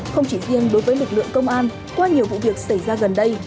không chỉ riêng đối với lực lượng công an qua nhiều vụ việc xảy ra gần đây